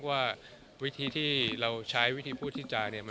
อ้าง